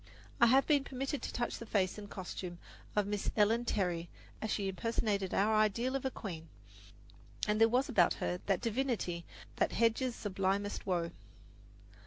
I have been permitted to touch the face and costume of Miss Ellen Terry as she impersonated our ideal of a queen; and there was about her that divinity that hedges sublimest woe.